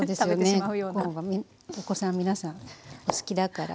コーンがお子さん皆さんお好きだから。